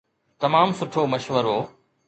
تمام سٺو مشورو.